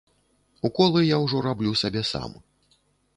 Уколы я ўжо раблю сабе сам.